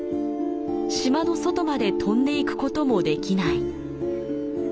島の外まで飛んで行くこともできない。